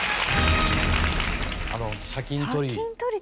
砂金取り。